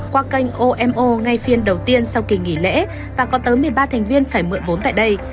qua kênh omo ngay phiên đầu tiên sau kỳ nghỉ lễ và có tới một mươi ba thành viên phải mượn vốn tại đây